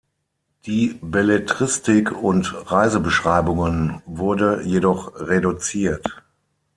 Die Belletristik und Reisebeschreibungen wurde jedoch reduziert.